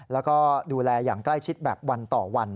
แล้วก็ดูแลอย่างใกล้ชิดแบบวันต่อวัน